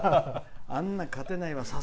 あんなの勝てないわ。